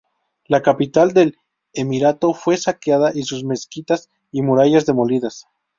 La capital del emirato fue saqueada y sus mezquitas y murallas demolidas.